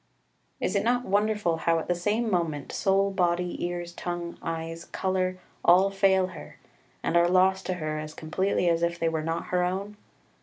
3 Is it not wonderful how at the same moment soul, body, ears, tongue, eyes, colour, all fail her, and are lost to her as completely as if they were not her own?